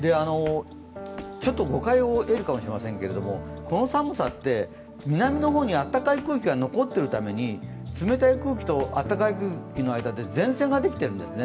ちょっと誤解を与えるかもしれませんけれどもこの寒さって、南の方に暖かい空気が残っているために冷たい空気と暖かい空気の間に前線ができてるんですね。